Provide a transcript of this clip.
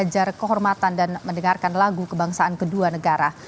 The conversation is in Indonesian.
ajar kehormatan dan mendengarkan lagu kebangsaan kedua negara